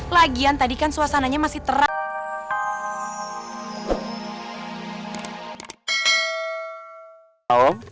lagian tadi kan suasananya masih terang